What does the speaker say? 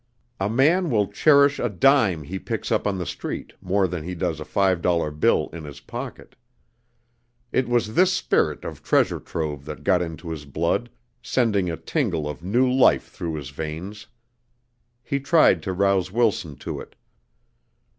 A man will cherish a dime he picks up on the street more than he does a five dollar bill in his pocket. It was this spirit of treasure trove that got into his blood, sending a tingle of new life through his veins. He tried to rouse Wilson to it.